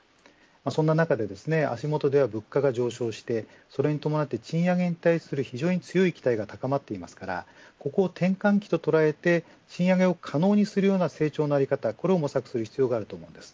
そんな中で足元では物価が上昇してそれに伴って賃上げに対する非常に強い期待が高まっていますからここを転換期ととらえて賃上げを可能にするような成長の在り方、これを模索する必要があります。